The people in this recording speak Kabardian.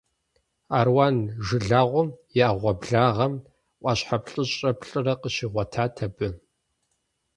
Аруан жылагъуэм и Ӏэгъуэблагъэм Ӏуащхьэ плӏыщӏрэ плӏырэ къыщигъуэтат абы.